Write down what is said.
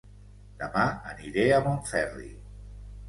Dema aniré a Montferri